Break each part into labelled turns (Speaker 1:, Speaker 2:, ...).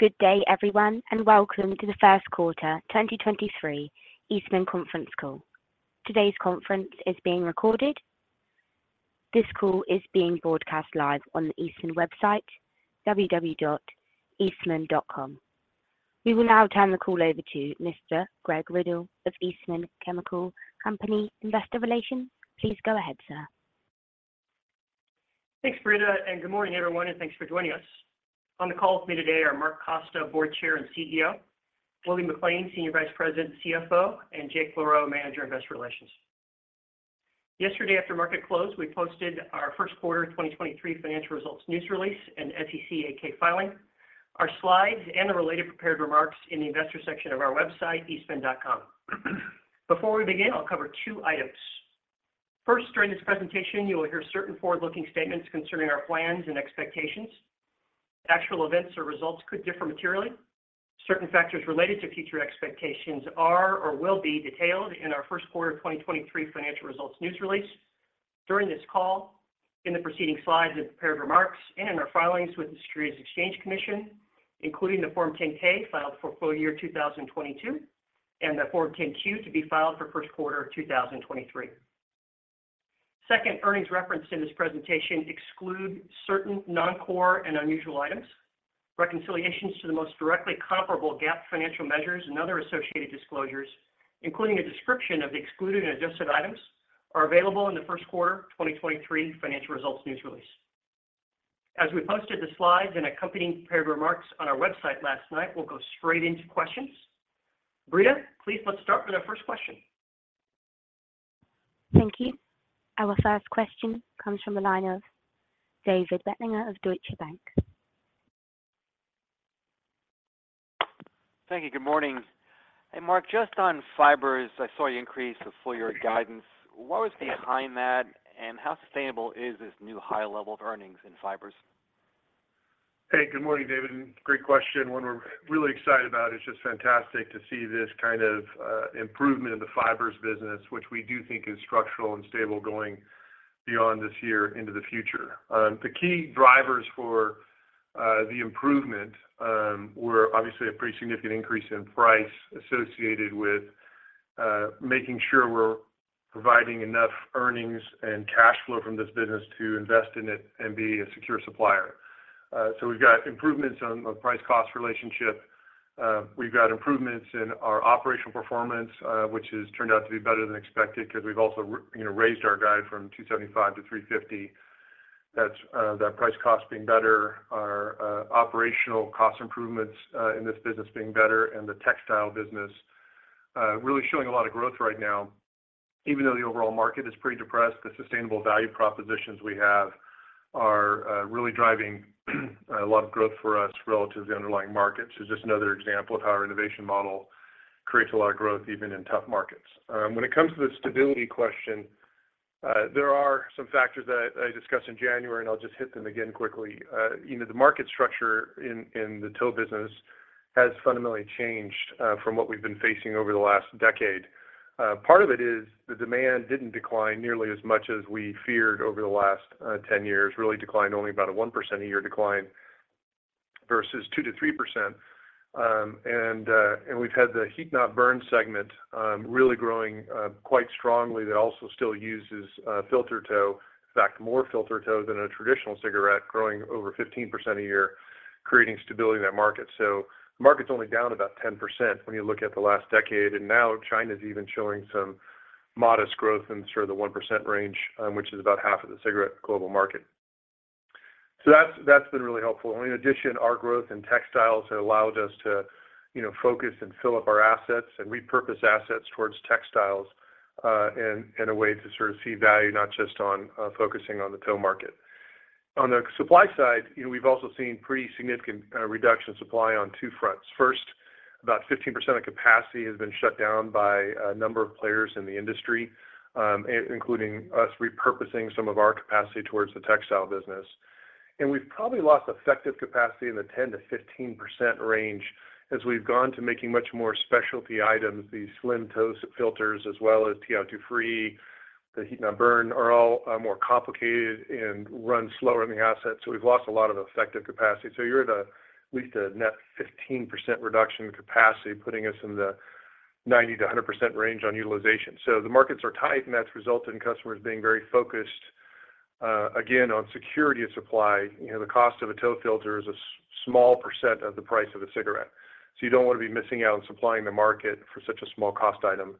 Speaker 1: Good day, everyone, welcome to the first quarter 2023 Eastman Conference Call. Today's conference is being recorded. This call is being broadcast live on the Eastman website, www.eastman.com. We will now turn the call over to Mr. Greg Riddle of Eastman Chemical Company, Investor Relations. Please go ahead, sir.
Speaker 2: Thanks, Brenda, good morning, everyone, and thanks for joining us. On the call with me today are Mark Costa, Board Chair and CEO, William McLain, Senior Vice President and CFO, and Jake LaRoe, Manager, Investor Relations. Yesterday, after market close, we posted our first quarter 2023 financial results news release and SEC 8-K filing, our slides, and the related prepared remarks in the investor section of our website, eastman.com. Before we begin, I'll cover two items. First, during this presentation, you will hear certain forward-looking statements concerning our plans and expectations. Actual events or results could differ materially. Certain factors related to future expectations are or will be detailed in our first quarter of 2023 financial results news release. During this call, in the preceding slides and prepared remarks, in our filings with the Securities and Exchange Commission, including the Form 10-K filed for full year 2022 and the Form 10-Q to be filed for first quarter of 2023. Second, earnings referenced in this presentation exclude certain non-core and unusual items. Reconciliations to the most directly comparable GAAP financial measures and other associated disclosures, including a description of the excluded and adjusted items, are available in the first quarter of 2023 financial results news release. As we posted the slides and accompanying prepared remarks on our website last night, we'll go straight into questions. Brenda, please let's start with our first question.
Speaker 1: Thank you. Our first question comes from the line of David Begleiter of Deutsche Bank.
Speaker 3: Thank you. Good morning. Hey, Mark, just on fibers, I saw you increase the full-year guidance. What was behind that, and how sustainable is this new high level of earnings in fibers?
Speaker 4: Hey, good morning, David. Great question. One we're really excited about. It's just fantastic to see this kind of improvement in the fibers business, which we do think is structural and stable going beyond this year into the future. The key drivers for the improvement were obviously a pretty significant increase in price associated with making sure we're providing enough earnings and cash flow from this business to invest in it and be a secure supplier. We've got improvements on the price cost relationship. We've got improvements in our operational performance, which has turned out to be better than expected 'cause we've also, you know, raised our guide from $275-$350. That's that price cost being better. Our operational cost improvements in this business being better, and the textile business really showing a lot of growth right now. Even though the overall market is pretty depressed, the sustainable value propositions we have are really driving a lot of growth for us relative to the underlying market. Just another example of how our innovation model creates a lot of growth even in tough markets. When it comes to the stability question, there are some factors that I discussed in January, and I'll just hit them again quickly. You know, the market structure in the tow business has fundamentally changed from what we've been facing over the last decade. Part of it is the demand didn't decline nearly as much as we feared over the last 10 years. Really declined only about a 1% a year decline versus 2%-3%. We've had the heat-not-burn segment really growing quite strongly. That also still uses filter tow. In fact, more filter tow than a traditional cigarette growing over 15% a year, creating stability in that market. The market's only down about 10% when you look at the last decade. Now China's even showing some modest growth in sort of the 1% range, which is about half of the cigarette global market. That's been really helpful. In addition, our growth in textiles has allowed us to, you know, focus and fill up our assets and repurpose assets towards textiles in a way to sort of see value not just on focusing on the tow market. On the supply side, you know, we've also seen pretty significant reduction in supply on two fronts. First, about 15% of capacity has been shut down by a number of players in the industry, including us repurposing some of our capacity towards the textile business. We've probably lost effective capacity in the 10%-15% range as we've gone to making much more specialty items. The slim tow filters as well as TiO2 free, the heat-not-burn are all more complicated and run slower in the asset. We've lost a lot of effective capacity. You're at at least a net 15% reduction in capacity, putting us in the 90%-100% range on utilization. The markets are tight, and that's resulted in customers being very focused again, on security of supply. You know, the cost of a TiO2 filter is a small % of the price of a cigarette. You don't want to be missing out on supplying the market for such a small cost item.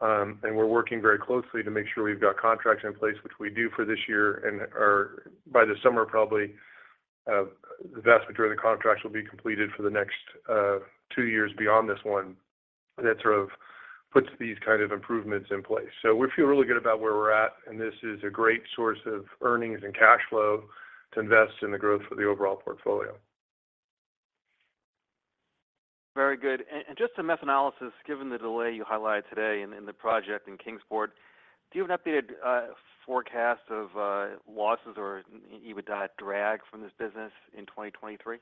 Speaker 4: And we're working very closely to make sure we've got contracts in place, which we do for this year and are by the summer probably, the vast majority of the contracts will be completed for the next two years beyond this one. That sort of puts these kind of improvements in place. We feel really good about where we're at, and this is a great source of earnings and cash flow to invest in the growth for the overall portfolio.
Speaker 3: Very good. Just some analysis, given the delay you highlighted today in the project in Kingsport, do you have an updated forecast of losses or EBITDA drag from this business in 2023?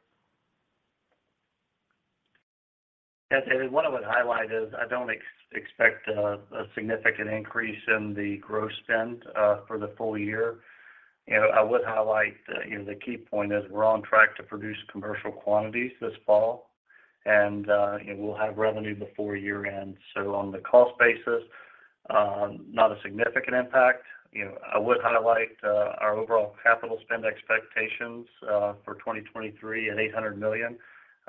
Speaker 4: Yeah, David, what I would highlight is I don't expect a significant increase in the gross spend for the full year. You know, I would highlight, you know, the key point is we're on track to produce commercial quantities this fall, and, you know, we'll have revenue before year-end. On the cost basis, not a significant impact. You know, I would highlight our overall capital spend expectations for 2023 at $800 million.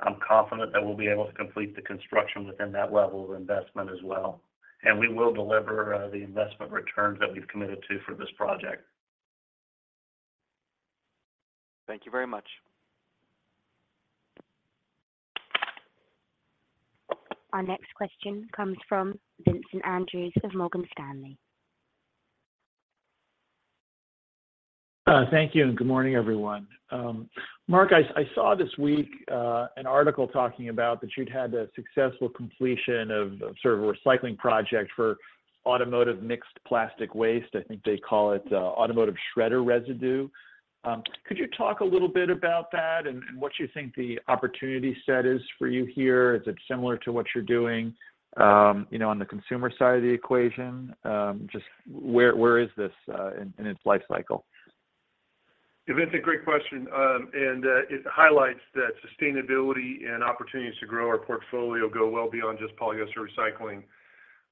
Speaker 4: I'm confident that we'll be able to complete the construction within that level of investment as well. We will deliver the investment returns that we've committed to for this project.
Speaker 1: Thank you very much. Our next question comes from Vincent Andrews of Morgan Stanley.
Speaker 5: Thank you and good morning, everyone. Mark, I saw this week an article talking about that you'd had a successful completion of sort of a recycling project for automotive mixed plastic waste. I think they call it automotive shredder residue. Could you talk a little bit about that and what you think the opportunity set is for you here? Is it similar to what you're doing, you know, on the consumer side of the equation? Just where is this in its life cycle?
Speaker 4: Yeah, Vincent, great question. It highlights that sustainability and opportunities to grow our portfolio go well beyond just polyester recycling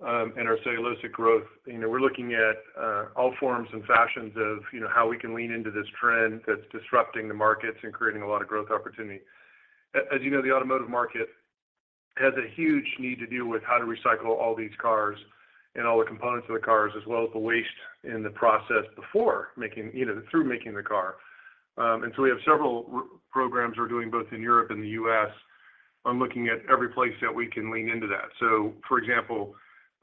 Speaker 4: and our cellulosic growth. You know, we're looking at all forms and fashions of, you know, how we can lean into this trend that's disrupting the markets and creating a lot of growth opportunity. As you know, the automotive market has a huge need to deal with how to recycle all these cars and all the components of the cars, as well as the waste in the process before making, you know, through making the car. We have several programs we're doing both in Europe and the U.S. on looking at every place that we can lean into that. For example,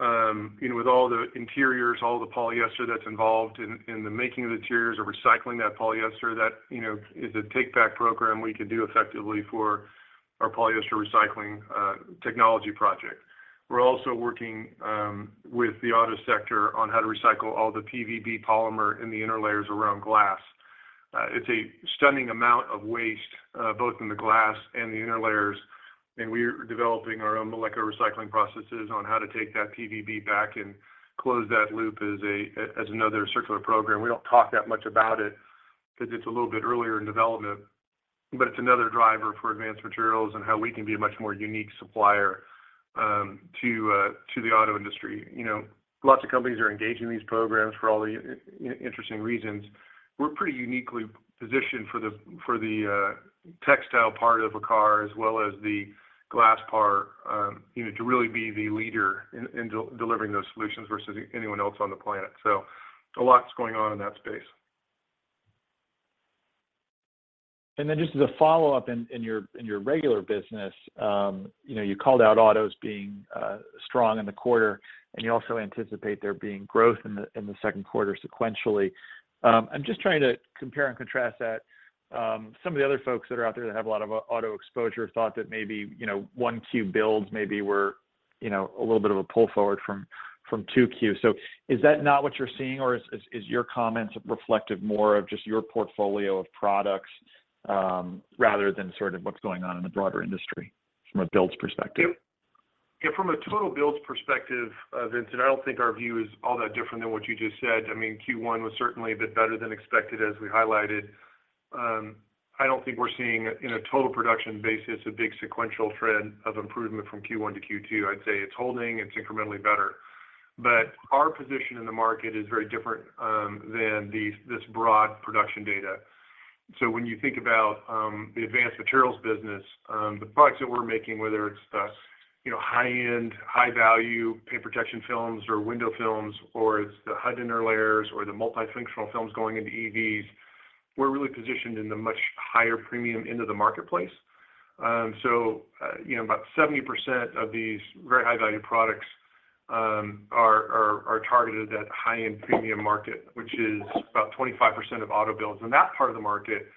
Speaker 4: you know, with all the interiors, all the polyester that's involved in the making of interiors or recycling that polyester, that, you know, is a take-back program we can do effectively for our polyester recycling technology project. We're also working with the auto sector on how to recycle all the PVB polymer in the inner layers around glass. It's a stunning amount of waste, both in the glass and the inner layers, and we're developing our own molecular recycling processes on how to take that PVB back and close that loop as another circular program. We don't talk that much about it because it's a little bit earlier in development, but it's another driver for advanced materials and how we can be a much more unique supplier, to the auto industry. You know, lots of companies are engaged in these programs for all the interesting reasons. We're pretty uniquely positioned for the textile part of a car as well as the glass part, you know, to really be the leader in delivering those solutions versus anyone else on the planet. A lot's going on in that space.
Speaker 5: Just as a follow-up, in your, in your regular business, you know, you called out autos being strong in the quarter, and you also anticipate there being growth in the second quarter sequentially. I'm just trying to compare and contrast that. Some of the other folks that are out there that have a lot of auto exposure thought that maybe, you know, 1Q builds maybe were, you know, a little bit of a pull forward from 2Q. Is that not what you're seeing, or is your comments reflective more of just your portfolio of products, rather than sort of what's going on in the broader industry from a builds perspective?
Speaker 4: From a total builds perspective, Vincent, I don't think our view is all that different than what you just said. I mean, Q1 was certainly a bit better than expected, as we highlighted. I don't think we're seeing in a total production basis a big sequential trend of improvement from Q1-Q2. I'd say it's holding, it's incrementally better. Our position in the market is very different than this broad production data. When you think about the advanced materials business, the products that we're making, whether it's the, you know, high-end, high-value paint protection films or window films, or it's the HUD inner layers or the multifunctional films going into EVs, we're really positioned in the much higher premium end of the marketplace. You know, about 70% of these very high-value products are targeted at high-end premium market, which is about 25% of auto builds. That part of the market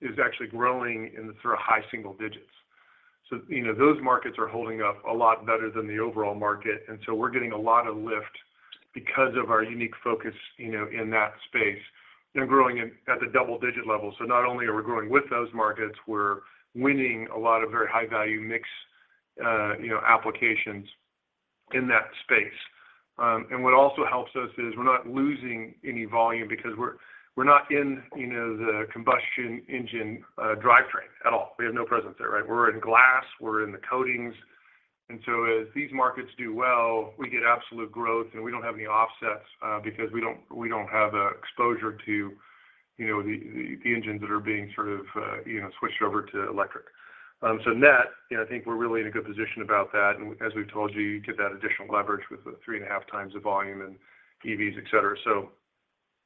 Speaker 4: is actually growing in the sort of high-single-digits. You know, those markets are holding up a lot better than the overall market, and so we're getting a lot of lift because of our unique focus, you know, in that space. They're growing at the double-digit level. Not only are we growing with those markets, we're winning a lot of very high-value mix, you know, applications in that space. What also helps us is we're not losing any volume because we're not in, you know, the combustion engine drivetrain at all. We have no presence there, right? We're in glass, we're in the coatings. As these markets do well, we get absolute growth, and we don't have any offsets because we don't have the exposure to, you know, the, the engines that are being sort of, you know, switched over to electric. Net, you know, I think we're really in a good position about that. As we've told you get that additional leverage with the 3.5x the volume in EVs, et cetera.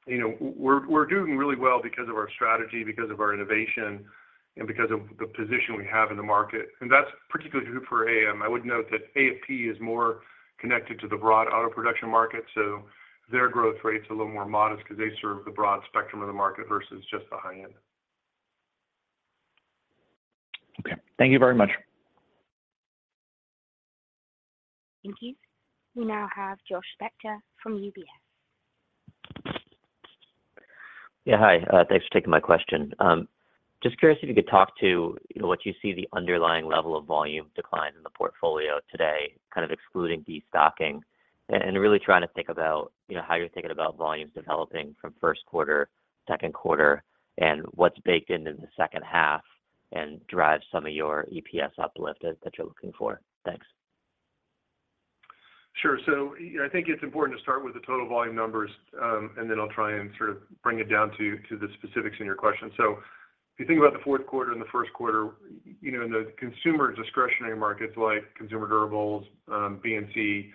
Speaker 4: You know, we're doing really well because of our strategy, because of our innovation, and because of the position we have in the market. That's particularly true for AM. I would note that AFP is more connected to the broad auto production market, so their growth rate's a little more modest because they serve the broad spectrum of the market versus just the high end.
Speaker 5: Okay. Thank you very much.
Speaker 1: Thank you. We now have Josh Spector from UBS.
Speaker 6: Yeah. Hi, thanks for taking my question. Just curious if you could talk to, you know, what you see the underlying level of volume decline in the portfolio today, kind of excluding destocking. Really trying to think about, you know, how you're thinking about volumes developing from first quarter, second quarter, and what's baked into the second half and drives some of your EPS uplift that you're looking for. Thanks.
Speaker 4: Sure. I think it's important to start with the total volume numbers, and then I'll try and sort of bring it down to the specifics in your question. If you think about the fourth quarter and the first quarter, you know, in the consumer discretionary markets like consumer durables, B&C,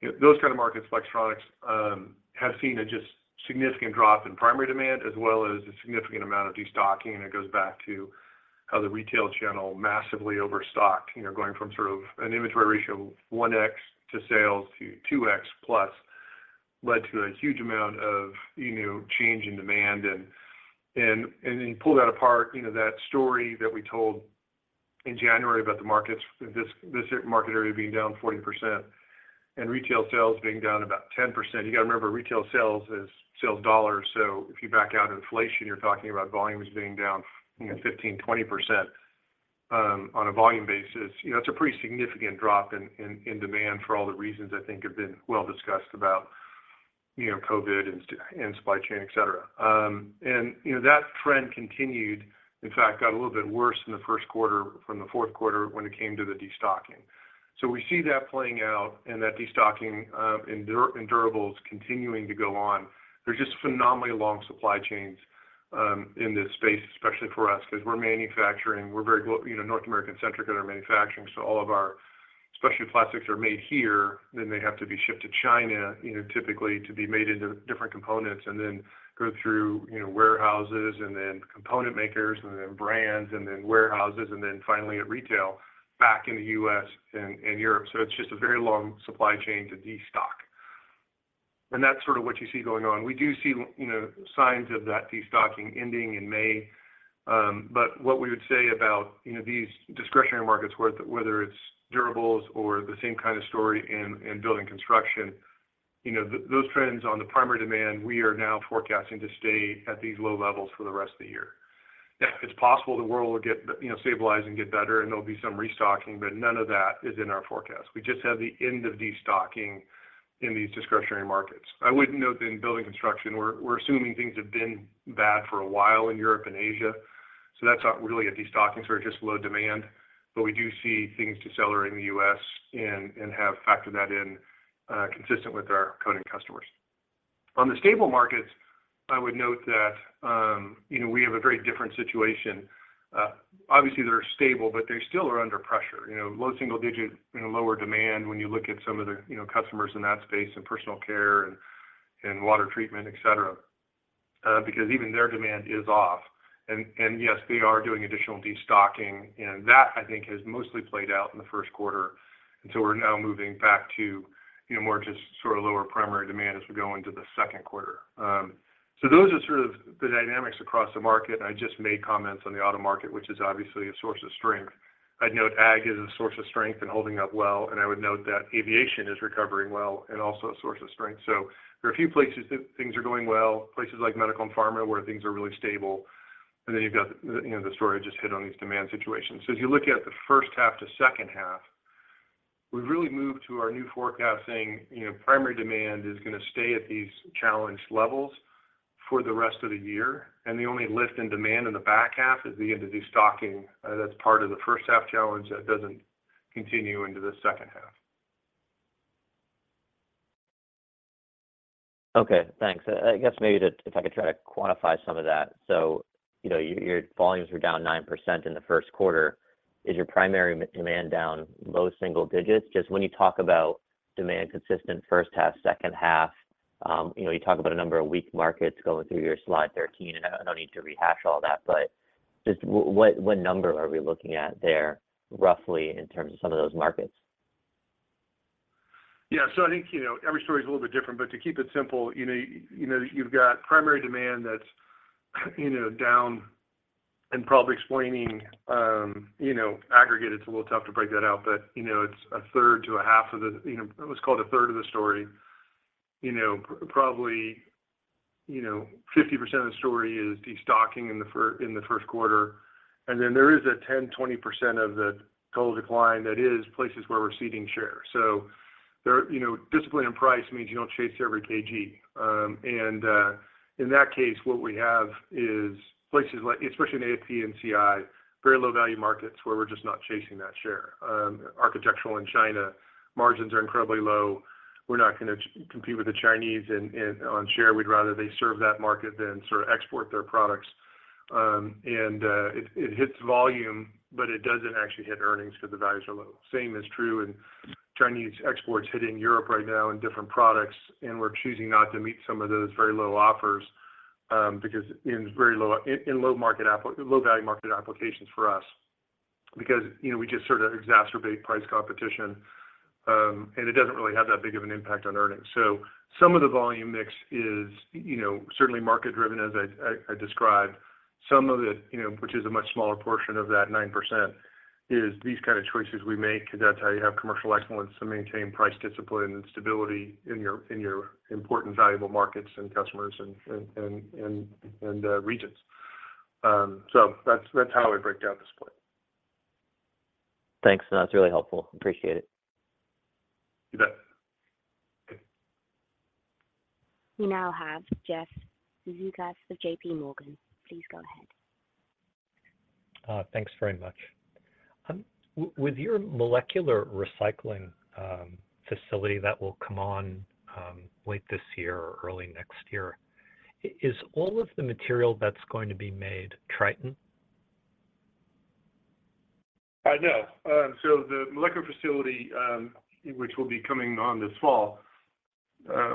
Speaker 4: you know, those kind of markets, electronics, have seen a just significant drop in primary demand as well as a significant amount of destocking. It goes back to how the retail channel massively overstocked, you know, going from sort of an inventory ratio of 1x to sales to 2x plus led to a huge amount of, you know, change in demand. Then you pull that apart, you know, that story that we told in January about the markets, this market area being down 40% and retail sales being down about 10%. You gotta remember, retail sales is sales dollars, so if you back out inflation, you're talking about volumes being down, you know, 15%, 20% on a volume basis. You know, it's a pretty significant drop in demand for all the reasons I think have been well discussed about, you know, COVID and supply chain, et cetera. And, you know, that trend continued, in fact, got a little bit worse in the first quarter from the fourth quarter when it came to the destocking. We see that playing out and that destocking in durables continuing to go on. There's just phenomenally long supply chains, in this space, especially for us because we're manufacturing. We're very you know, North American centric in our manufacturing, so all of our specialty plastics are made here. They have to be shipped to China, you know, typically to be made into different components and then go through, you know, warehouses and then component makers and then brands and then warehouses and then finally at retail back in the U.S. and Europe. It's just a very long supply chain to destock. That's sort of what you see going on. We do see, you know, signs of that destocking ending in May. What we would say about, you know, these discretionary markets, whether it's durables or the same kind of story in building construction, you know, those trends on the primary demand, we are now forecasting to stay at these low levels for the rest of the year. Now, it's possible the world will get, you know, stabilize and get better and there'll be some restocking, but none of that is in our forecast. We just have the end of destocking in these discretionary markets. I would note that in building construction, we're assuming things have been bad for a while in Europe and Asia, that's not really a destocking, we're just low demand. We do see things decelerating in the U.S. and have factored that in, consistent with our coding customers. On the stable markets, I would note that, you know, we have a very different situation. Obviously they're stable, they still are under pressure. You know, low single digit, you know, lower demand when you look at some of the, you know, customers in that space in personal care and water treatment, et cetera, because even their demand is off. Yes, they are doing additional destocking, and that I think has mostly played out in the first quarter. We're now moving back to, you know, more just sort of lower primary demand as we go into the second quarter. Those are sort of the dynamics across the market, and I just made comments on the auto market, which is obviously a source of strength. I'd note ag is a source of strength and holding up well. I would note that aviation is recovering well and also a source of strength. There are a few places that things are going well, places like medical and pharma where things are really stable. You've got, you know, the story I just hit on these demand situations. As you look at the first half to second half, we've really moved to our new forecasting. You know, primary demand is gonna stay at these challenged levels for the rest of the year. The only lift in demand in the back half is the end of destocking, that's part of the first half challenge that doesn't continue into the second half.
Speaker 6: Okay. Thanks. I guess maybe if I could try to quantify some of that. You know, your volumes were down 9% in the first quarter. Is your primary demand down low single digits? Just when you talk about demand consistent first half, second half, you know, you talk about a number of weak markets going through your slide 13, and I don't need to rehash all that, but just what number are we looking at there roughly in terms of some of those markets?
Speaker 4: Yeah. I think, you know, every story's a little bit different, but to keep it simple, you know, you know, you've got primary demand that's, you know, down and probably explaining, you know, aggregate. It's a little tough to break that out. You know, it's a third to a half of the, you know, let's call it a third of the story. You know, probably, you know, 50% of the story is destocking in the first quarter. There is a 10%-20% of the total decline that is places where we're ceding share. There, you know, discipline and price means you don't chase every KG. In that case, what we have is places like, especially in AFP and CI, very low value markets where we're just not chasing that share. Architectural in China, margins are incredibly low. We're not gonna compete with the Chinese on share. We'd rather they serve that market than sort of export their products. It hits volume, but it doesn't actually hit earnings because the values are low. Same is true in Chinese exports hitting Europe right now in different products, and we're choosing not to meet some of those very low offers, because in low value market applications for us because, you know, we just sort of exacerbate price competition, and it doesn't really have that big of an impact on earnings. Some of the volume mix is, you know, certainly market driven, as I described. Some of it, you know, which is a much smaller portion of that 9% is these kind of choices we make because that's how you have commercial excellence to maintain price discipline and stability in your important valuable markets and customers and regions. That's, that's how we break down the split.
Speaker 6: Thanks. No, that's really helpful. Appreciate it.
Speaker 4: You bet.
Speaker 1: We now have Jeffrey Zekauskas of J.P. Morgan. Please go ahead.
Speaker 7: Thanks very much. With your molecular recycling facility that will come on late this year or early next year, is all of the material that's going to be made Tritan?
Speaker 4: No. The molecular facility, which will be coming on this fall,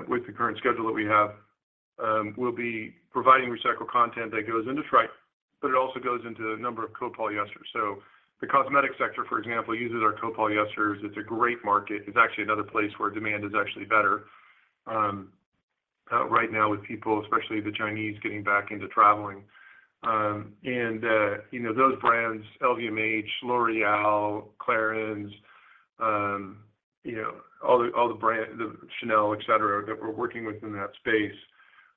Speaker 4: with the current schedule that we have, will be providing recycled content that goes into Tritan, but it also goes into a number of copolymers. The cosmetic sector, for example, uses our copolymers. It's a great market. It's actually another place where demand is actually better right now with people, especially the Chinese, getting back into traveling. You know, those brands, LVMH, L'Oréal, Clarins, you know, all the brand-- the Chanel, et cetera, that we're working with in that space,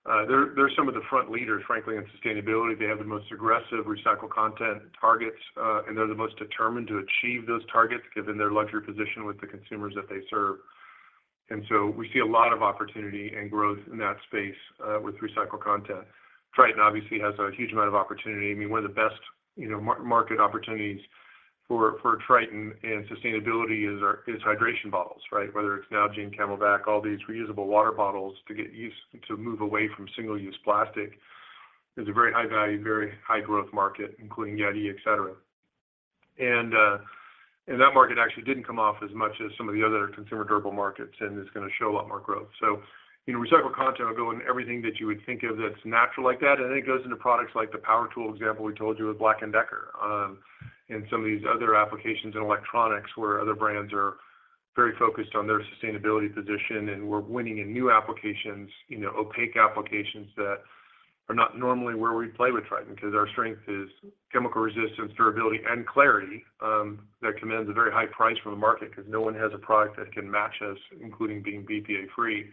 Speaker 4: they're some of the front leaders, frankly, in sustainability. They have the most aggressive recycled content targets, and they're the most determined to achieve those targets given their luxury position with the consumers that they serve. We see a lot of opportunity and growth in that space with recycled content. Tritan obviously has a huge amount of opportunity. I mean, one of the best, you know, market opportunities for Tritan and sustainability is hydration bottles, right? Whether it's now Jane CamelBak, all these reusable water bottles to move away from single-use plastic is a very high value, very high growth market, including YETI, et cetera. That market actually didn't come off as much as some of the other consumer durable markets, and it's going to show a lot more growth. You know, recycled content will go in everything that you would think of that's natural like that, and then it goes into products like the power tool example we told you with BLACK+DECKER, and some of these other applications in electronics where other brands are very focused on their sustainability position, and we're winning in new applications, you know, opaque applications that are not normally where we play with Tritan because our strength is chemical resistance, durability, and clarity, that commands a very high price from the market because no one has a product that can match us, including being BPA-free.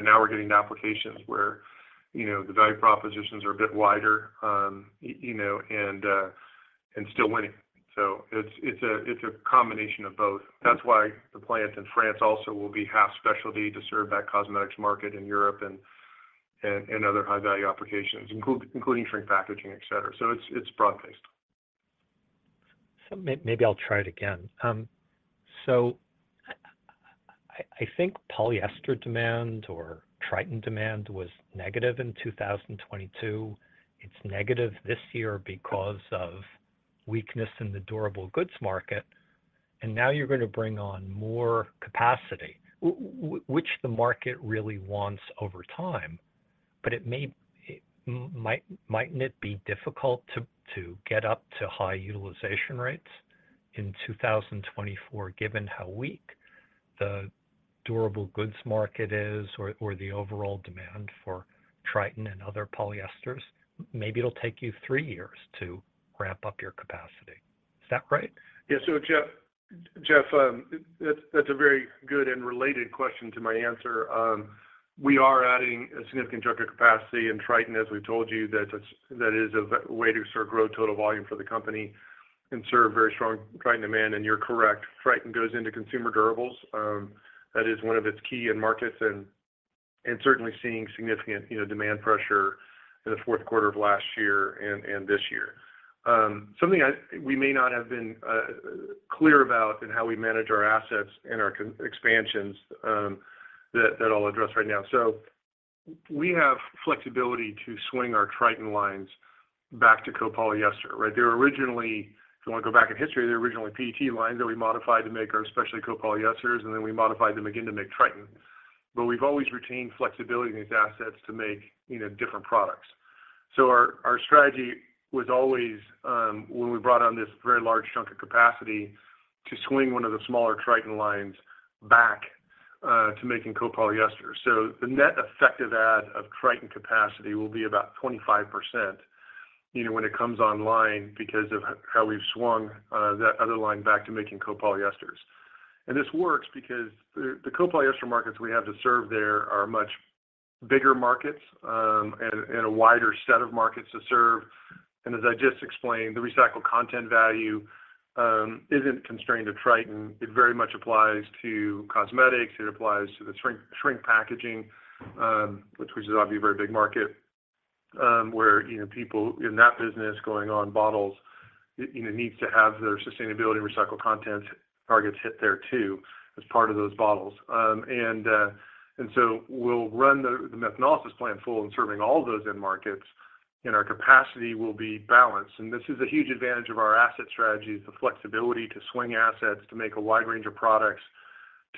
Speaker 4: Now we're getting applications where, you know, the value propositions are a bit wider, you know, and still winning. It's a combination of both. That's why the plant in France also will be half specialty to serve that cosmetics market in Europe and other high-value applications, including shrink packaging, et cetera. It's broad-based.
Speaker 7: Maybe I'll try it again. I think polyester demand or Tritan demand was negative in 2022. It's negative this year because of weakness in the durable goods market, and now you're going to bring on more capacity, which the market really wants over time. It mightn't it be difficult to get up to high utilization rates in 2024, given how weak the durable goods market is or the overall demand for Tritan and other polyesters? Maybe it'll take you three years to ramp up your capacity. Is that right?
Speaker 4: Yeah. Jeff, that's a very good and related question to my answer. We are adding a significant chunk of capacity in Tritan, as we told you, that is a way to sort of grow total volume for the company and serve very strong Tritan demand. You're correct, Tritan goes into consumer durables. That is one of its key end markets and certainly seeing significant, you know, demand pressure in the fourth quarter of last year and this year. Something we may not have been clear about in how we manage our assets and our expansions, that I'll address right now. We have flexibility to swing our Tritan lines back to copolymer. Right? They were originally, if you want to go back in history, they were originally PET lines that we modified to make our specialty copolymers, and then we modified them again to make Tritan. We've always retained flexibility in these assets to make, you know, different products. Our strategy was always when we brought on this very large chunk of capacity to swing one of the smaller Tritan lines back to making copolymers. The net effective add of Tritan capacity will be about 25%, you know, when it comes online because of how we've swung that other line back to making copolymers. This works because the copolymer markets we have to serve there are much bigger markets, and a wider set of markets to serve. As I just explained, the recycled content value isn't constrained to Tritan. It very much applies to cosmetics. It applies to the shrink packaging, which is obviously a very big market, where, you know, people in that business going on bottles, you know, needs to have their sustainability recycled content targets hit there too as part of those bottles. We'll run the methanolysis plant full in serving all those end markets, and our capacity will be balanced. This is a huge advantage of our asset strategy, is the flexibility to swing assets to make a wide range of products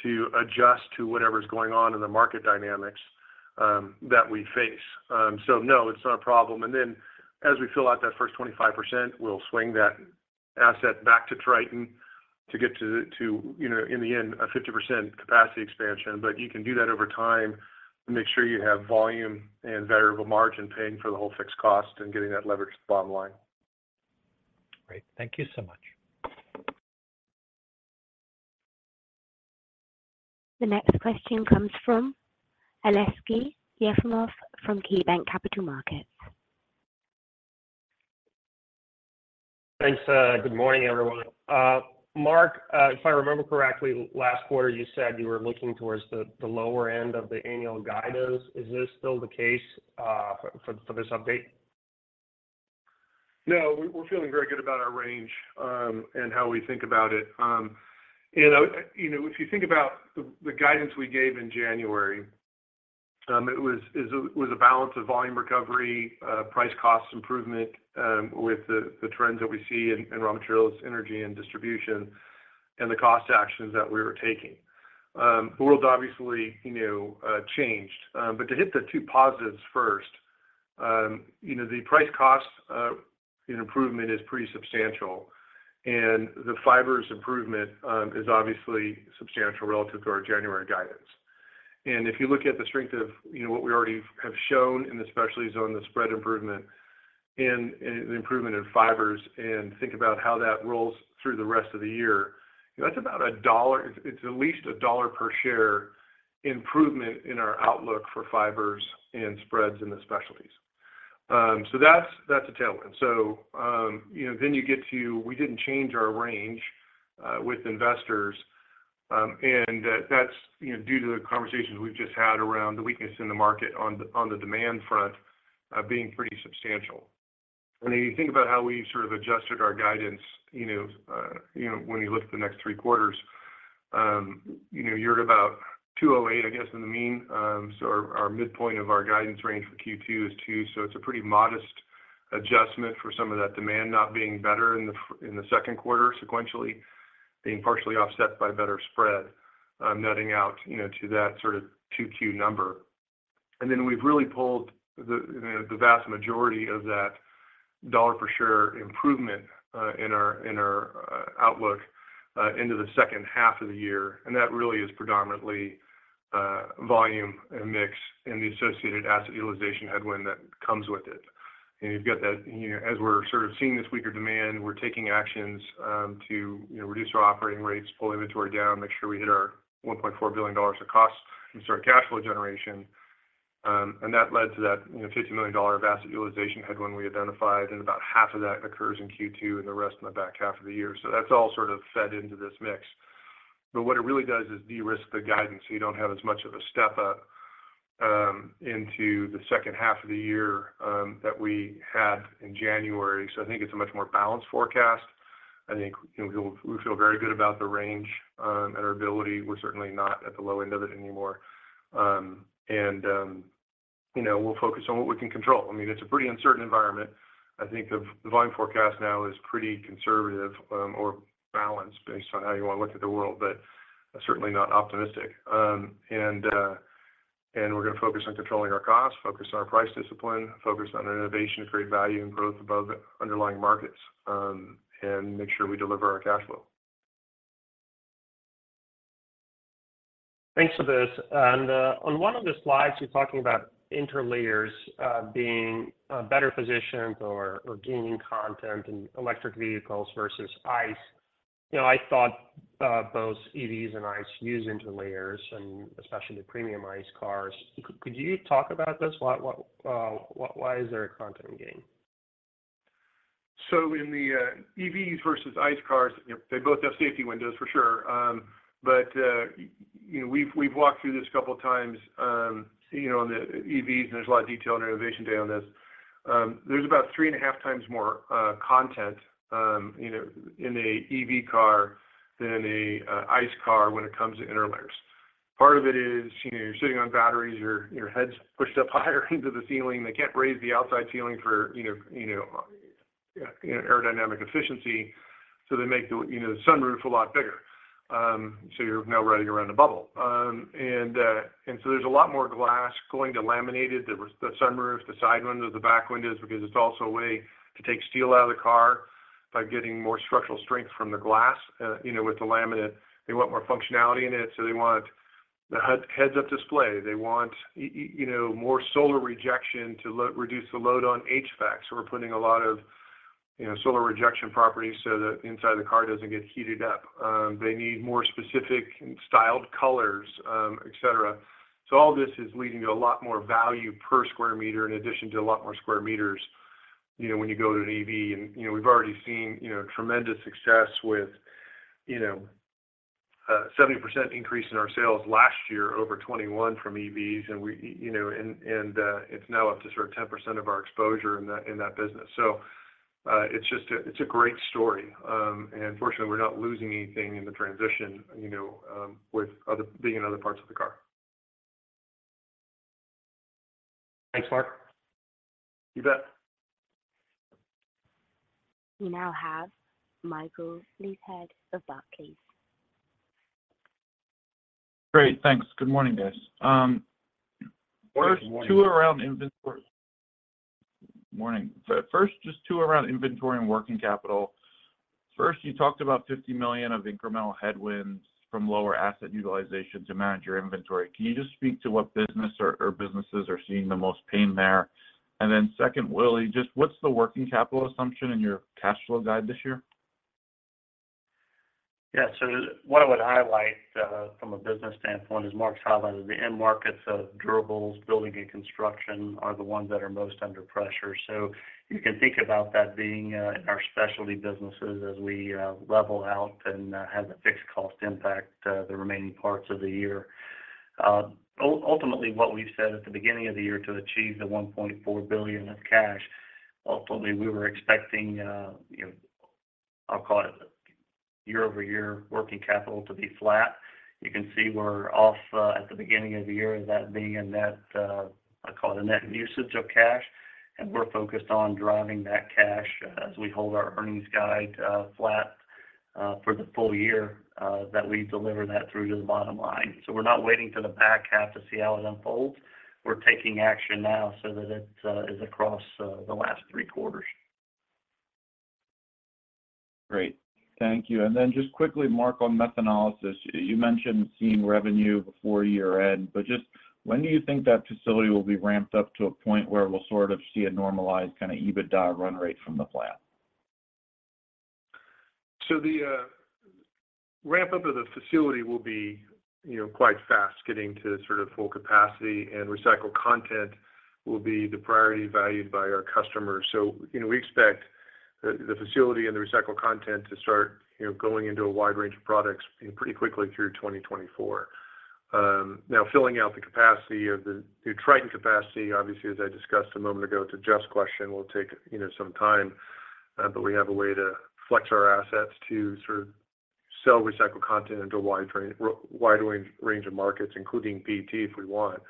Speaker 4: to adjust to whatever's going on in the market dynamics that we face. No, it's not a problem. As we fill out that first 25%, we'll swing that Asset back to Tritan to get to, you know, in the end, a 50% capacity expansion. You can do that over time and make sure you have volume and variable margin paying for the whole fixed cost and getting that leverage to the bottom line.
Speaker 1: Great. Thank you so much. The next question comes from Aleksey Yefremov from KeyBanc Capital Markets.
Speaker 8: Thanks, good morning, everyone. Mark, if I remember correctly, last quarter you said you were looking towards the lower end of the annual guidance. Is this still the case for this update?
Speaker 4: No, we're feeling very good about our range, and how we think about it. You know, if you think about the guidance we gave in January, it was a balance of volume recovery, price cost improvement, with the trends that we see in raw materials, energy and distribution, and the cost actions that we were taking. The world obviously, you know, changed. To hit the two positives first, you know, the price cost improvement is pretty substantial and the fibers improvement is obviously substantial relative to our January guidance. If you look at the strength of, you know, what we already have shown in the specialties on the spread improvement and the improvement in fibers and think about how that rolls through the rest of the year, that's about $1. It's at least $1 per share improvement in our outlook for fibers and spreads in the specialties. That's, that's a tailwind. You know, then you get to we didn't change our range with investors. That's, you know, due to the conversations we've just had around the weakness in the market on the, on the demand front, being pretty substantial. If you think about how we sort of adjusted our guidance, you know, you know, when you look at the next three quarters, you know, you're at about $2.08, I guess, in the mean. So our midpoint of our guidance range for Q2 is $2.00. It's a pretty modest adjustment for some of that demand not being better in the second quarter sequentially being partially offset by better spread, netting out, you know, to that sort of 2Q number. Then we've really pulled the vast majority of that $ per share improvement in our, in our outlook into the second half of the year. That really is predominantly volume and mix and the associated asset utilization headwind that comes with it. You've got that, you know, as we're sort of seeing this weaker demand, we're taking actions, to, you know, reduce our operating rates, pull inventory down, make sure we hit our $1.4 billion of cost and start cash flow generation. That led to that, you know, $50 million asset utilization headwind we identified, and about half of that occurs in Q2 and the rest in the back half of the year. That's all sort of fed into this mix. What it really does is de-risk the guidance. You don't have as much of a step up, into the second half of the year, that we had in January. I think it's a much more balanced forecast. I think, you know, we feel very good about the range, and our ability. We're certainly not at the low end of it anymore. You know, we'll focus on what we can control. I mean, it's a pretty uncertain environment. I think of the volume forecast now is pretty conservative, or balanced based on how you want to look at the world, but certainly not optimistic. We're gonna focus on controlling our costs, focus on our price discipline, focus on innovation to create value and growth above underlying markets, and make sure we deliver our cash flow.
Speaker 8: Thanks for this. On one of the slides you're talking about interlayers being better positioned or gaining content in electric vehicles versus ICE. You know, I thought both EVs and ICE use interlayers and especially the premium ICE cars. Could you talk about this? Why, what, why is there a content gain?
Speaker 4: In the EVs versus ICE cars, they both have safety windows for sure. You know, we've walked through this a couple of times. You know, on the EVs, there's a lot of detail on Innovation Day on this. There's about 3.5 times more content, you know, in a EV car than in a ICE car when it comes to interlayers. Part of it is, you know, you're sitting on batteries, your head's pushed up higher into the ceiling. They can't raise the outside ceiling for, you know, aerodynamic efficiency. They make the, you know, the sunroof a lot bigger. You're now riding around a bubble. There's a lot more glass going to laminated, the sunroof, the side windows, the back windows, because it's also a way to take steel out of the car by getting more structural strength from the glass, you know, with the laminate. They want more functionality in it, so they want the heads-up display. They want, you know, more solar rejection to reduce the load on HVAC. We're putting a lot of, you know, solar rejection properties so that inside of the car doesn't get heated up. They need more specific styled colors, etc. All this is leading to a lot more value per square meter in addition to a lot more square meters, you know, when you go to an EV. You know, we've already seen, you know, tremendous success with, you know, 70% increase in our sales last year over 2021 from EVs. We, you know, and, it's now up to sort of 10% of our exposure in that, in that business. It's a great story. Fortunately, we're not losing anything in the transition, you know, being in other parts of the car.
Speaker 8: Thanks, Mark.
Speaker 4: You bet.
Speaker 1: We now have Michael Leithead of Barclays.
Speaker 9: Great. Thanks. Good morning, guys. First two around inventory. Morning. First, just two around inventory and working capital. First, you talked about $50 million of incremental headwinds from lower asset utilization to manage your inventory. Can you just speak to what business or businesses are seeing the most pain there? Second, Willie, just what's the working capital assumption in your cash flow guide this year?
Speaker 10: What I would highlight, from a business standpoint, as Mark's highlighted, the end markets of durables, building and construction are the ones that are most under pressure. You can think about that being, in our specialty businesses as we, level out and, have a fixed cost impact, the remaining parts of the year. Ultimately, what we've said at the beginning of the year to achieve the $1.4 billion of cash, ultimately, we were expecting, you know, I'll call it year-over-year working capital to be flat. You can see we're off, at the beginning of the year, that being a net, I call it a net usage of cash, and we're focused on driving that cash as we hold our earnings guide, flat, for the full year, that we deliver that through to the bottom line. So we're not waiting to the back half to see how it unfolds. We're taking action now so that it is across the last three quarters.
Speaker 9: Great. Thank you. Just quickly, Mark, on methanolysis, you mentioned seeing revenue before year-end, but just when do you think that facility will be ramped up to a point where we'll sort of see a normalized kind of EBITDA run rate from the plant?
Speaker 4: The ramp-up of the facility will be, you know, quite fast getting to sort of full capacity, and recycled content will be the priority valued by our customers. You know, we expect the facility and the recycled content to start, you know, going into a wide range of products, you know, pretty quickly through 2024. Now filling out the capacity of the Tritan capacity, obviously, as I discussed a moment ago to Jeff's question, will take, you know, some time. But we have a way to flex our assets to sort of sell recycled content into a wide range of markets, including PET, if we want,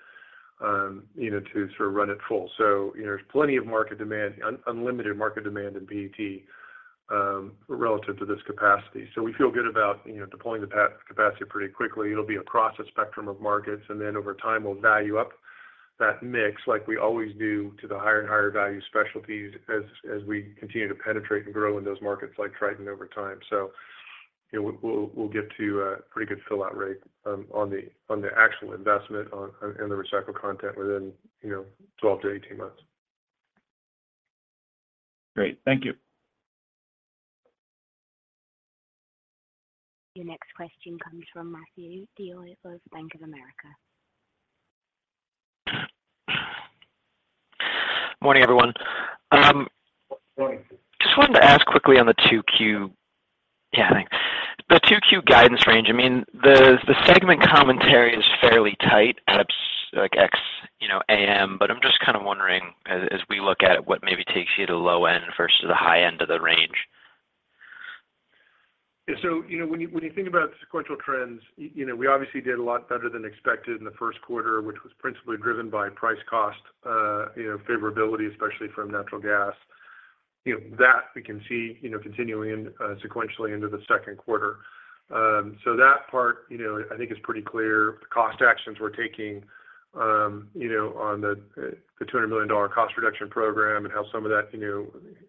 Speaker 4: you know, to sort of run it full. You know, there's plenty of market demand, unlimited market demand in PET, relative to this capacity. We feel good about, you know, deploying the capacity pretty quickly. It'll be across a spectrum of markets, and then over time, we'll value up that mix like we always do to the higher and higher value specialties as we continue to penetrate and grow in those markets like Tritan over time. You know, we'll get to a pretty good fill out rate on the actual investment in the recycled content within, you know, 12-18 months.
Speaker 9: Great. Thank you.
Speaker 1: Your next question comes from Matthew DeYoe of Bank of America.
Speaker 11: Morning, everyone.
Speaker 4: Morning.
Speaker 11: Just wanted to ask quickly on the 2Q. Yeah, thanks. The 2Q guidance range. I mean, the segment commentary is fairly tight at like ex, you know, AM, but I'm just kind of wondering as we look at what maybe takes you to low end versus the high end of the range.
Speaker 4: Yeah. You know, when you know, think about sequential trends, you know, we obviously did a lot better than expected in the first quarter, which was principally driven by price cost, you know, favorability, especially from natural gas. You know, that we can see, you know, continuing sequentially into the second quarter. That part, you know, I think is pretty clear. The cost actions we're taking, you know, on the $200 million cost reduction program and how some of that, you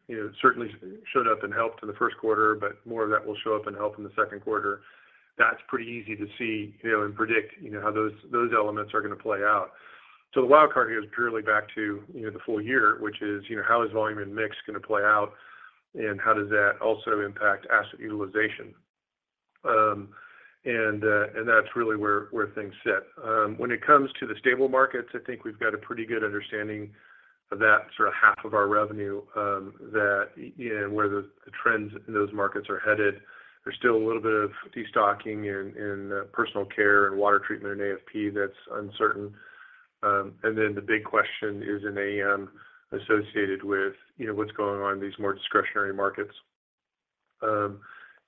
Speaker 4: know, certainly showed up and helped in the first quarter, but more of that will show up and help in the second quarter. That's pretty easy to see, you know, and predict, you know, how those elements are gonna play out. The wild card here is purely back to, you know, the full year, which is, you know, how is volume and mix gonna play out, and how does that also impact asset utilization? That's really where things sit. When it comes to the stable markets, I think we've got a pretty good understanding of that sort of half of our revenue, that, you know, where the trends in those markets are headed. There's still a little bit of destocking in, personal care and water treatment in AFP that's uncertain. The big question is in AM associated with, you know, what's going on in these more discretionary markets,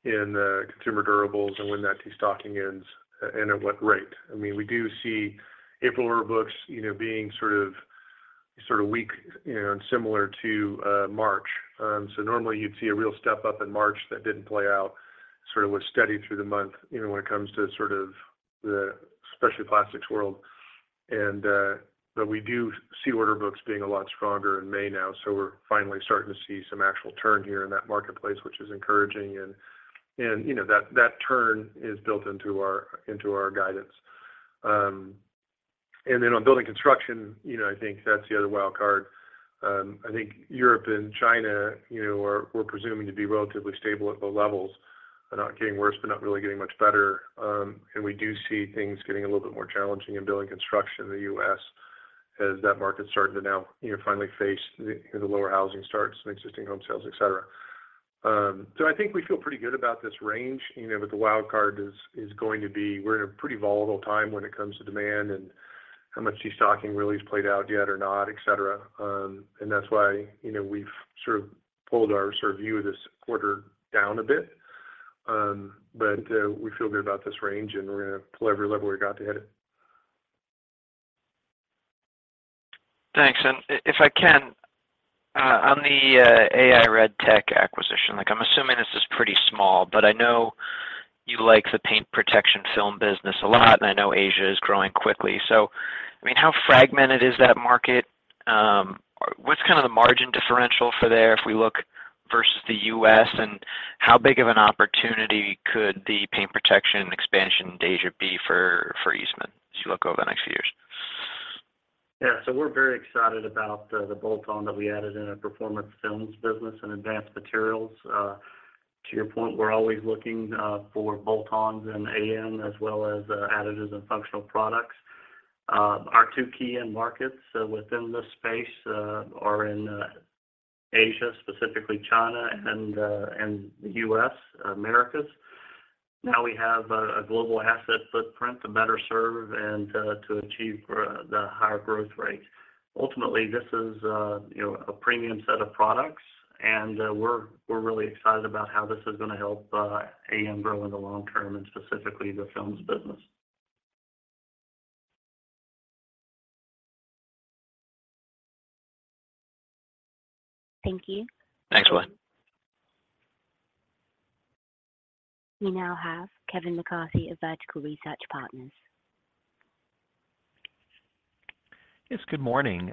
Speaker 4: in, consumer durables and when that destocking ends, and at what rate. I mean, we do see April order books, you know, being sort of weak, you know, and similar to March. Normally you'd see a real step up in March that didn't play out, sort of was steady through the month, you know, when it comes to sort of the specialty plastics world. We do see order books being a lot stronger in May now, so we're finally starting to see some actual turn here in that marketplace, which is encouraging and, you know, that turn is built into our guidance. Then on building construction, you know, I think that's the other wild card. I think Europe and China, you know, were presuming to be relatively stable at the levels, are not getting worse, but not really getting much better. We do see things getting a little bit more challenging in building construction in the U.S. as that market's starting to now, you know, finally face the lower housing starts and existing home sales, et cetera. I think we feel pretty good about this range, you know, but the wild card is going to be we're in a pretty volatile time when it comes to demand and how much destocking really has played out yet or not, et cetera. That's why, you know, we've sort of pulled our sort of view of this quarter down a bit. We feel good about this range, and we're gonna pull every lever we got to hit it.
Speaker 11: Thanks. If I can on the Ai-Red Technology acquisition, like I'm assuming this is pretty small, but I know you like the paint protection film business a lot, and I know Asia is growing quickly. I mean, how fragmented is that market? What's kind of the margin differential for there if we look versus the U.S.? How big of an opportunity could the paint protection expansion in Asia be for Eastman as you look over the next few years?
Speaker 10: Yeah. We're very excited about the bolt-on that we added in our performance films business and advanced materials. To your point, we're always looking for bolt-ons and AM as well as additives and functional products. Our two key end markets within this space are in Asia, specifically China and the U.S., Americas. Now we have a global asset footprint to better serve and to achieve for the higher growth rates. Ultimately, this is, you know, a premium set of products, and we're really excited about how this is gonna help AM grow in the long-term and specifically the films business.
Speaker 1: Thank you.
Speaker 11: Thanks, William.
Speaker 1: We now have Kevin McCarthy of Vertical Research Partners.
Speaker 12: Yes. Good morning.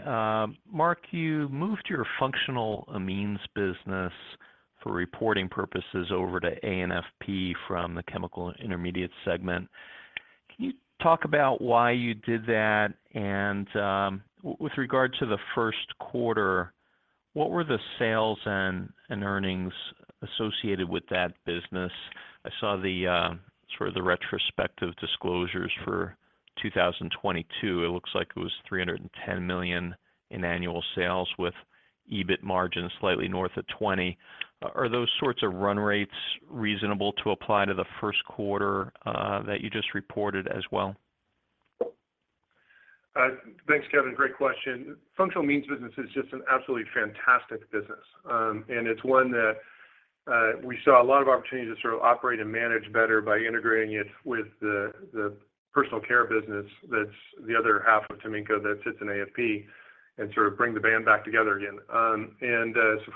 Speaker 12: Mark, you moved your functional amines business for reporting purposes over to AFP from the chemical intermediate segment. Can you talk about why you did that? With regard to the first quarter, what were the sales and earnings associated with that business? I saw the sort of the retrospective disclosures for 2022. It looks like it was $310 million in annual sales with EBIT margin slightly north of 20%. Are those sorts of run rates reasonable to apply to the first quarter that you just reported as well?
Speaker 4: Thanks, Kevin. Great question. Functional amines business is just an absolutely fantastic business, and it's one that we saw a lot of opportunities to sort of operate and manage better by integrating it with the personal care business that's the other half of Taminco that sits in AFP and sort of bring the band back together again.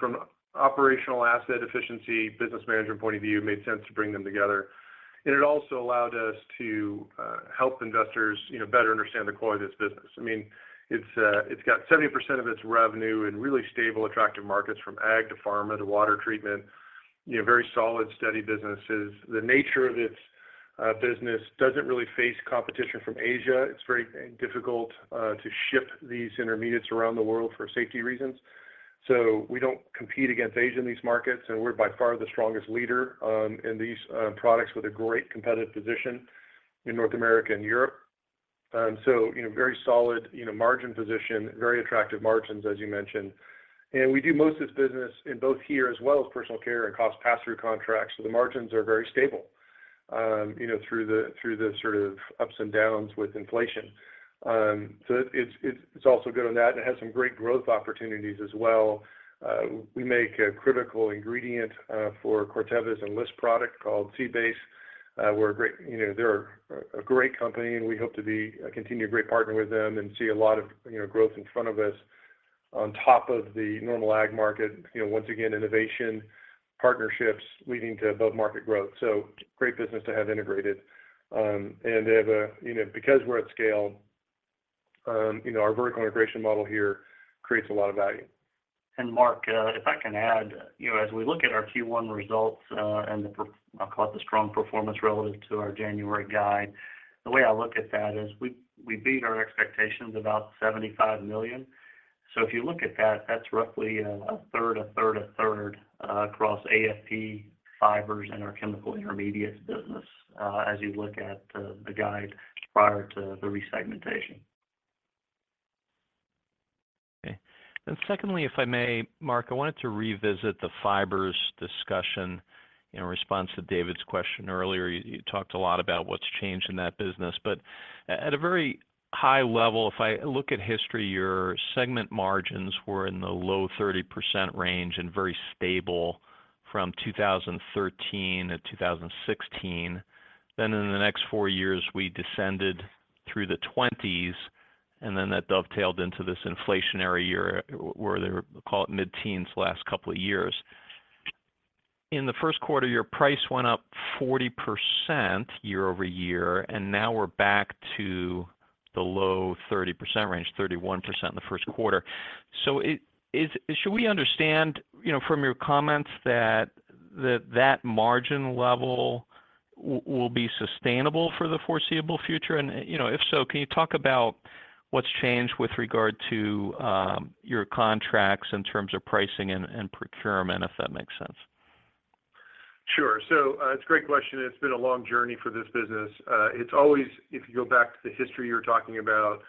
Speaker 4: From operational asset efficiency, business management point of view, it made sense to bring them together. It also allowed us to help investors, you know, better understand the quality of this business. I mean, it's got 70% of its revenue in really stable, attractive markets from ag to pharma to water treatment, you know, very solid, steady businesses. The nature of its business doesn't really face competition from Asia. It's very difficult to ship these intermediates around the world for safety reasons. We don't compete against Asia in these markets, and we're by far the strongest leader in these products with a great competitive position in North America and Europe. You know, very solid, you know, margin position, very attractive margins, as you mentioned. We do most of this business in both here as well as personal care and cost pass-through contracts, so the margins are very stable, you know, through the, through the sort of ups and downs with inflation. It's, it's also good on that, and it has some great growth opportunities as well. We make a critical ingredient for Corteva's Enlist product called C-Base. We're a great... You know, they're a great company, and we hope to be a continued great partner with them and see a lot of, you know, growth in front of us on top of the normal ag market. You know, once again, innovation, partnerships leading to above-market growth, great business to have integrated. They have. You know, because we're at scale, you know, our vertical integration model here creates a lot of value.
Speaker 10: Mark, if I can add, you know, as we look at our Q1 results, and I'll call it the strong performance relative to our January guide, the way I look at that is we beat our expectations about $75 million. If you look at that's roughly a third, a third, a third across AFP, fibers, and our chemical intermediates business, as you look at the guide prior to the resegmentation.
Speaker 12: Okay. Secondly, if I may, Mark, I wanted to revisit the fibers discussion in response to David's question earlier. You talked a lot about what's changed in that business. At a very high level, if I look at history, your segment margins were in the low 30% range and very stable from 2013-2016. In the next four years, we descended through the twenties, and then that dovetailed into this inflationary year where they were, call it mid-teens the last couple of years. In the first quarter, your price went up 40% year-over-year, and now we're back to the low 30% range, 31% in the first quarter. Should we understand, you know, from your comments that that margin level will be sustainable for the foreseeable future? You know, if so, can you talk about what's changed with regard to your contracts in terms of pricing and procurement, if that makes sense?
Speaker 4: Sure. It's a great question, and it's been a long journey for this business. It's always, if you go back to the history you're talking about,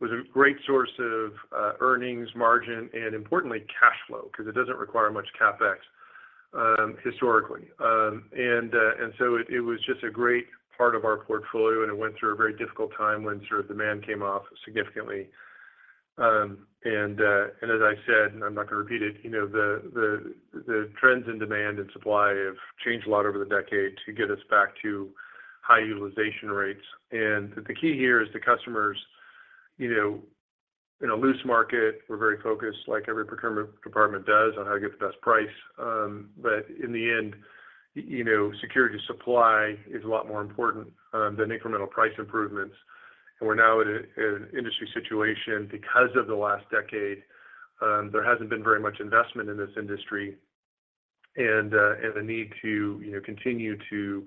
Speaker 4: was a great source of earnings, margin, and importantly, cash flow, because it doesn't require much CapEx historically. It, it was just a great part of our portfolio, and it went through a very difficult time when sort of demand came off significantly. As I said, and I'm not gonna repeat it, you know, the, the trends in demand and supply have changed a lot over the decade to get us back to high utilization rates. The key here is the customers, you know, in a loose market, we're very focused, like every procurement department does, on how to get the best price. In the end, you know, security supply is a lot more important than incremental price improvements. We're now at an industry situation because of the last decade, there hasn't been very much investment in this industry. The need to, you know, continue to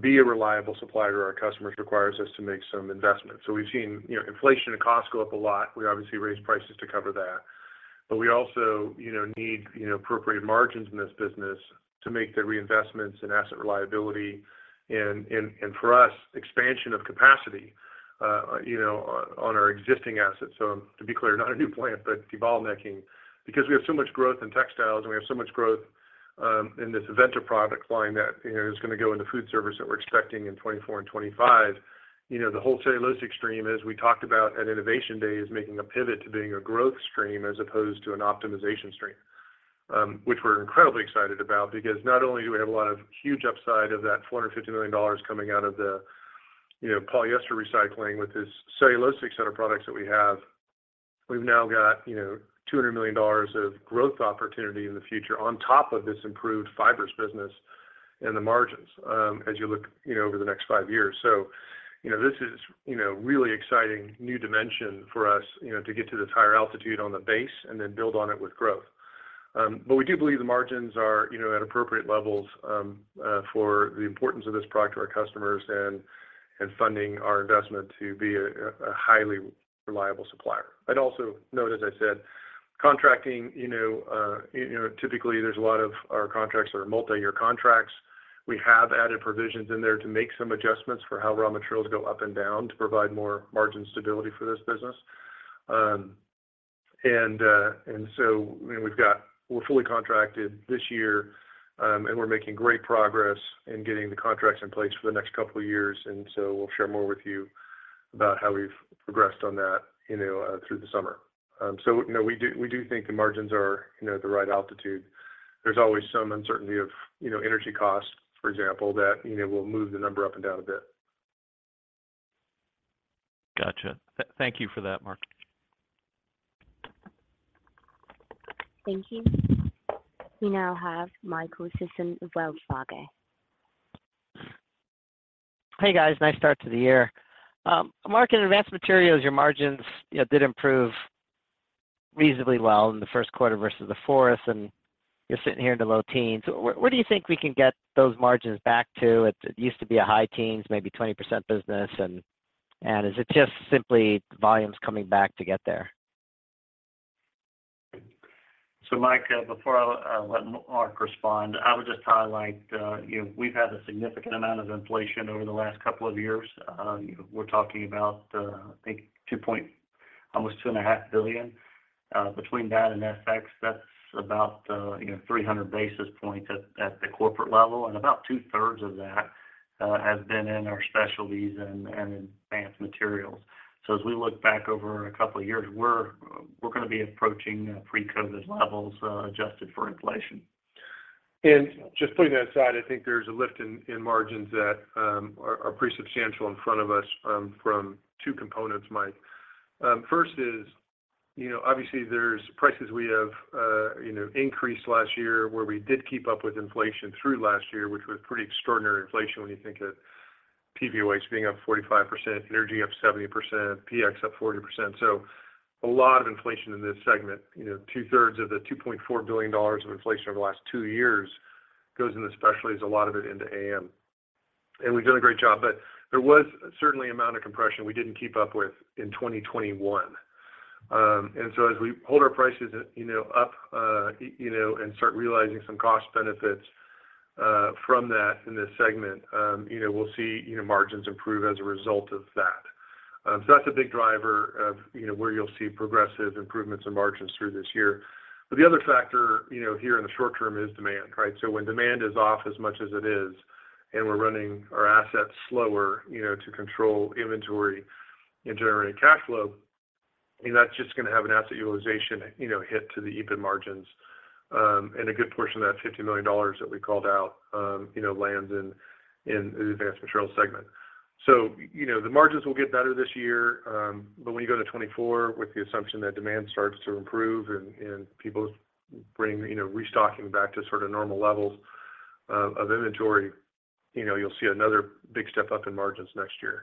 Speaker 4: be a reliable supplier to our customers requires us to make some investments. We've seen, you know, inflation and costs go up a lot. We obviously raised prices to cover that. We also, you know, need, you know, appropriate margins in this business to make the reinvestments in asset reliability and for us, expansion of capacity, you know, on our existing assets. To be clear, not a new plant, but de-bottlenecking. Because we have so much growth in textiles, and we have so much growth, in this Aventa product line that, you know, is gonna go into food service that we're expecting in 2024 and 2025. You know, the whole cellulosic stream, as we talked about at Innovation Day, is making a pivot to being a growth stream as opposed to an optimization stream. Which we're incredibly excited about because not only do we have a lot of huge upside of that $450 million coming out of the, you know, polyester recycling with this cellulosic set of products that we have, we've now got, you know, $200 million of growth opportunity in the future on top of this improved fibers business and the margins, as you look, you know, over the next five years. You know, this is, you know, really exciting new dimension for us, you know, to get to this higher altitude on the base and then build on it with growth. We do believe the margins are, you know, at appropriate levels for the importance of this product to our customers and funding our investment to be a highly reliable supplier. I'd also note, as I said, contracting, you know, typically there's a lot of our contracts are multiyear contracts. We have added provisions in there to make some adjustments for how raw materials go up and down to provide more margin stability for this business. I mean, we're fully contracted this year, and we're making great progress in getting the contracts in place for the next couple of years, and so we'll share more with you about how we've progressed on that, you know, through the summer. No, we do, we do think the margins are, you know, at the right altitude. There's always some uncertainty of, you know, energy costs, for example, that, you know, will move the number up and down a bit.
Speaker 12: Gotcha. Thank you for that, Mark.
Speaker 1: Thank you. We now have Michael Sison of Wells Fargo.
Speaker 13: Hey, guys. Nice start to the year. Mark, in Advanced Materials, your margins, you know, did improve reasonably well in the first quarter versus the fourth, and you're sitting here in the low teens. Where do you think we can get those margins back to? It used to be a high teens, maybe 20% business. Is it just simply volumes coming back to get there?
Speaker 4: Mike, before I let Mark respond, I would just highlight, you know, we've had a significant amount of inflation over the last couple of years. We're talking about, I think almost two and a half billion. Between that and FX, that's about, you know, 300 basis points at the corporate level, and about two-thirds of that has been in our specialties and advanced materials. As we look back over a couple of years, we're gonna be approaching pre-COVID levels, adjusted for inflation. Just putting that aside, I think there's a lift in margins that are pretty substantial in front of us, from two components, Mike. First is, you know, obviously there's prices we have, you know, increased last year where we did keep up with inflation through last year, which was pretty extraordinary inflation when you think of PVOH being up 45%, energy up 70%, PX up 40%. A lot of inflation in this segment. You know, two-thirds of the $2.4 billion of inflation over the last two years goes into specialties, a lot of it into AM. We've done a great job, but there was certainly amount of compression we didn't keep up with in 2021. As we hold our prices, you know, up, you know, and start realizing some cost benefits from that in this segment, you know, we'll see, you know, margins improve as a result of that. That's a big driver of where you'll see progressive improvements in margins through this year. The other factor, you know, here in the short-term is demand, right? When demand is off as much as it is, and we're running our assets slower, you know, to control inventory and generate cash flow, I mean, that's just gonna have an asset utilization, you know, hit to the EBIT margins. A good portion of that $50 million that we called out, you know, lands in the Advanced Materials segment. You know, the margins will get better this year, but when you go to 2024 with the assumption that demand starts to improve and people bring, you know, restocking back to sort of normal levels of inventory, you know, you'll see another big step up in margins next year,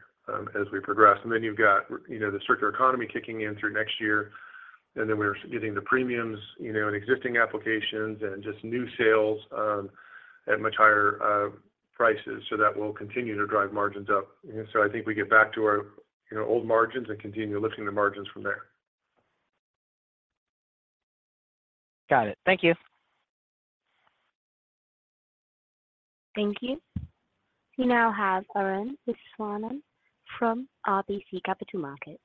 Speaker 4: as we progress. Then you've got, you know, the circular economy kicking in through next year, and then we're getting the premiums, you know, in existing applications and just new sales at much higher prices. That will continue to drive margins up. I think we get back to our, you know, old margins and continue lifting the margins from there.
Speaker 13: Got it. Thank you.
Speaker 1: Thank you. We now have Arun Viswanathan from RBC Capital Markets.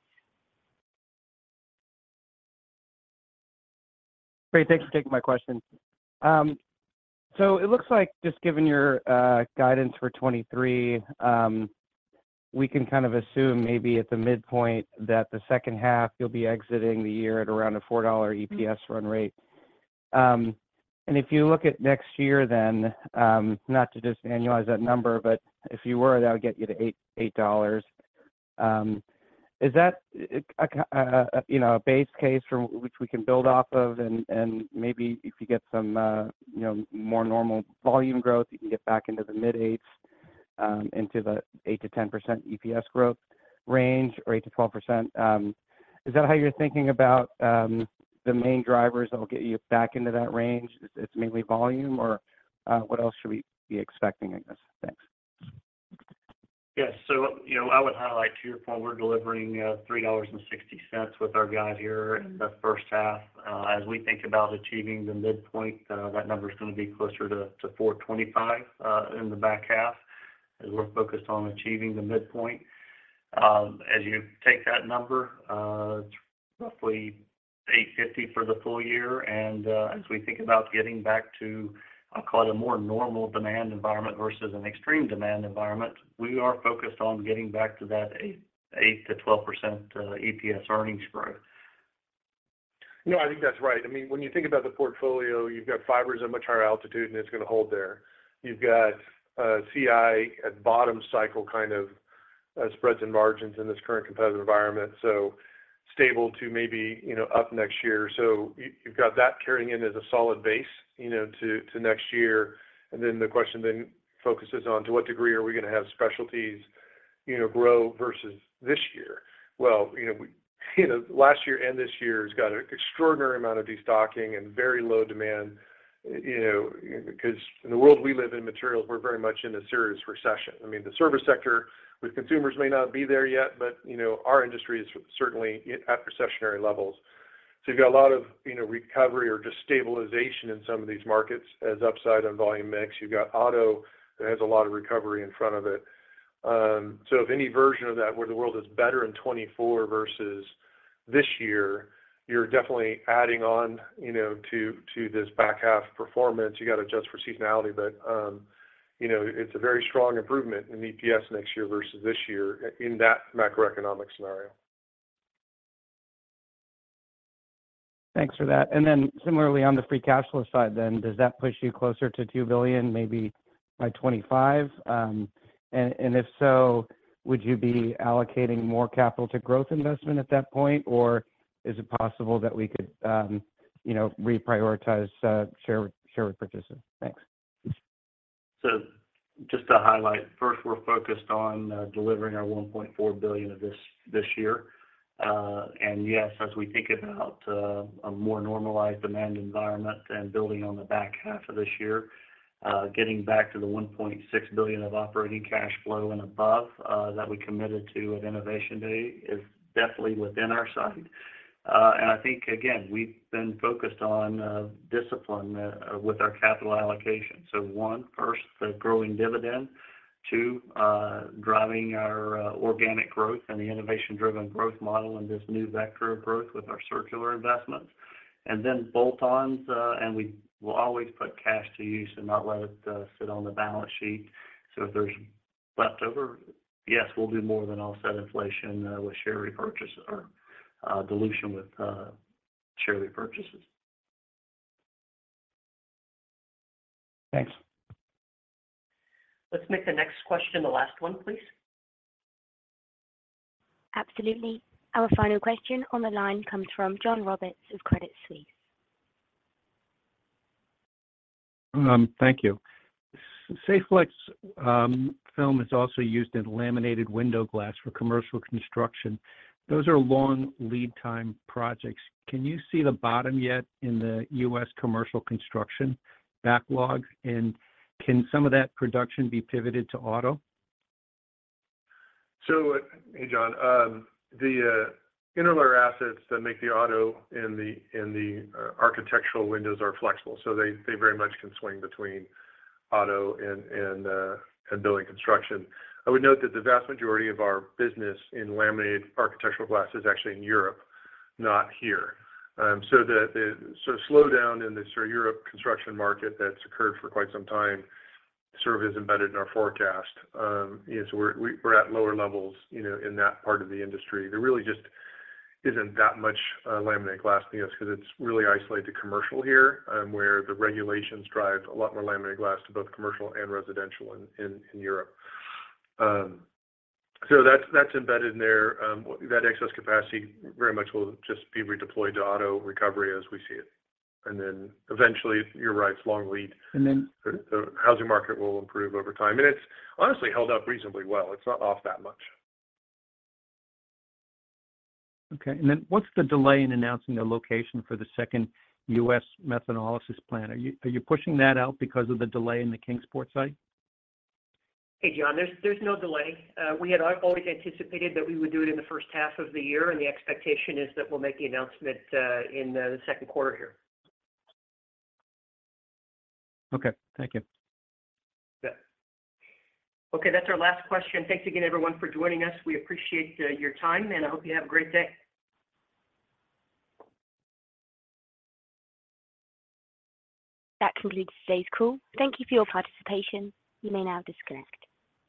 Speaker 14: Great. Thanks for taking my question. It looks like just given your guidance for 2023, we can kind of assume maybe at the midpoint that the second half you'll be exiting the year at around a $4 EPS run rate. If you look at next year, not to just annualize that number, but if you were, that would get you to $8. Is that a, you know, a base case from which we can build off of and maybe if you get some, you know, more normal volume growth, you can get back into the mid-$8s, into the 8%-10% EPS growth range or 8%-12%? Is that how you're thinking about the main drivers that will get you back into that range? It's mainly volume or, what else should we be expecting, I guess? Thanks.
Speaker 10: Yes, you know, I would highlight to your point, we're delivering $3.60 with our guide here in the first half. As we think about achieving the midpoint, that number is gonna be closer to $4.25 in the back half as we're focused on achieving the midpoint. As you take that number, roughly $8.50 for the full year. As we think about getting back to, I'll call it a more normal demand environment versus an extreme demand environment, we are focused on getting back to that 8-12% EPS earnings growth.
Speaker 4: No, I think that's right. I mean, when you think about the portfolio, you've got fibers at much higher altitude, and it's gonna hold there. You've got CI at bottom cycle kind of spreads and margins in this current competitive environment, so stable to maybe, you know, up next year. You've got that carrying in as a solid base, you know, to next year. The question then focuses on to what degree are we gonna have specialties, you know, grow versus this year. Well, you know, we, you know, last year and this year's got an extraordinary amount of destocking and very low demand, you know, because in the world we live in materials, we're very much in a serious recession. I mean, the service sector with consumers may not be there yet, but you know, our industry is certainly at recessionary levels. You've got a lot of, you know, recovery or just stabilization in some of these markets as upside on volume mix. You've got auto that has a lot of recovery in front of it. If any version of that where the world is better in 2024 versus this year, you're definitely adding on, you know, to this back half performance. You got to adjust for seasonality, you know, it's a very strong improvement in EPS next year versus this year in that macroeconomic scenario.
Speaker 14: Thanks for that. Similarly on the free cash flow side then, does that push you closer to $2 billion maybe by 2025? If so, would you be allocating more capital to growth investment at that point, or is it possible that we could, you know, reprioritize, share repurchases? Thanks.
Speaker 10: Just to highlight, first, we're focused on delivering our $1.4 billion of this year. Yes, as we think about a more normalized demand environment and building on the back half of this year, getting back to the $1.6 billion of operating cash flow and above, that we committed to at Innovation Day is definitely within our sight. I think, again, we've been focused on discipline with our capital allocation. One, first, the growing dividend. Two, driving our organic growth and the innovation-driven growth model and this new vector of growth with our circular investments. Then bolt-ons, and we will always put cash to use and not let it sit on the balance sheet. If there's leftover, yes, we'll do more than offset inflation, with share repurchase or, dilution with, share repurchases.
Speaker 14: Thanks.
Speaker 2: Let's make the next question the last one, please.
Speaker 1: Absolutely. Our final question on the line comes from John Roberts of Credit Suisse.
Speaker 15: Thank you. Saflex film is also used in laminated window glass for commercial construction. Those are long-lead-time projects. Can you see the bottom yet in the U.S. commercial construction backlog? Can some of that production be pivoted to auto?
Speaker 4: Hey, John. The interlayer assets that make the auto and the architectural windows are flexible, they very much can swing between auto and building construction. I would note that the vast majority of our business in laminated architectural glass is actually in Europe, not here. The slowdown in the Europe construction market that's occurred for quite some time sort of is embedded in our forecast. We're at lower levels, you know, in that part of the industry. There really just isn't that much laminated glass because it's really isolated to commercial here, where the regulations drive a lot more laminated glass to both commercial and residential in Europe. That's embedded in there. That excess capacity very much will just be redeployed to auto recovery as we see it. Eventually, you're right, it's long lead.
Speaker 15: And then-
Speaker 4: The housing market will improve over time, and it's honestly held up reasonably well. It's not off that much.
Speaker 15: Okay. Then what's the delay in announcing the location for the second U.S. methanolysis plant? Are you pushing that out because of the delay in the Kingsport site?
Speaker 2: Hey, John. There's no delay. We had always anticipated that we would do it in the first half of the year, and the expectation is that we'll make the announcement in the second quarter here.
Speaker 15: Okay. Thank you.
Speaker 2: Okay, that's our last question. Thanks again, everyone, for joining us. We appreciate your time, and I hope you have a great day.
Speaker 1: That concludes today's call. Thank you for your participation. You may now disconnect.